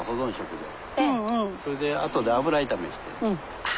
それであとで油炒めして。